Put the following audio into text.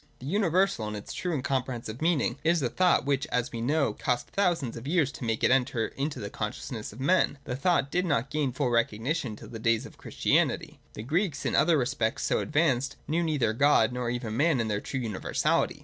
The universal in its true and comprehensive meaning is a thought which, as we know, cost thousands of years to make it enter into the consciousness of men. The thought did not gain its full recognition till the days of Christianity. The Greeks, in other respects so advanced, knew neither God nor even man in their true universality.